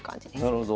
なるほど。